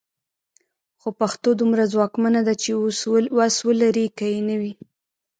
خو پښتو دومره ځواکمنه ده چې وس ولري که یې نه وي.